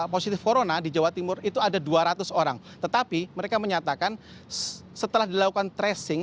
positif corona di jawa timur itu ada dua ratus orang tetapi mereka menyatakan setelah dilakukan tracing